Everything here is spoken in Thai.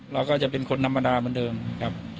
เราก็จะเป็นคนธรรมดาเหมือนเดิมครับ